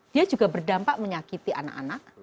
dia juga berdampak menyakiti anak anak